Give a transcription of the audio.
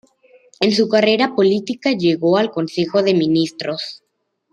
En su carrera política llegó al Consejo de Ministros.